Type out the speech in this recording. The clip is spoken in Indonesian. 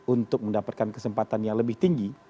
untuk mendapatkan kesempatan yang lebih tinggi